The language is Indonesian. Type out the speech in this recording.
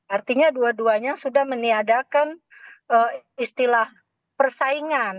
artinya dua duanya sudah meniadakan istilah persaingan